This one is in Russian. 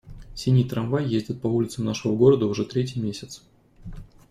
Синий трамвай ездит по улицам нашего города уже третий месяц.